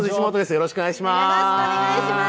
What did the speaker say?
よろしくお願いします。